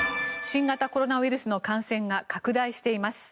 新型コロナウイルスの感染が拡大しています。